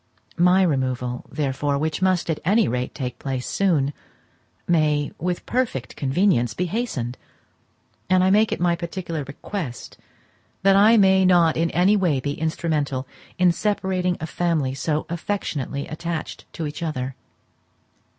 My removal, therefore, which must, at any rate, take place soon, may, with perfect convenience, be hastened; and I make it my particular request that I may not in any way be instrumental in separating a family so affectionately attached to each other.